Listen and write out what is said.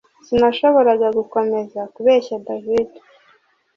Sinashoboraga gukomeza kubeshya David